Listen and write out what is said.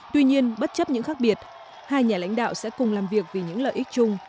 tuy nhiên bất chấp những khác biệt hai nhà lãnh đạo sẽ cùng làm việc vì những lợi ích chung